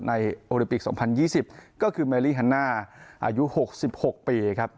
โอลิปิก๒๐๒๐ก็คือเมลี่ฮันน่าอายุ๖๖ปีครับ